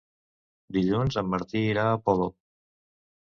Dilluns en Martí irà a Polop.